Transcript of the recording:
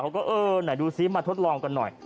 เขาก็เออหน่อยมาทดลองหน่อย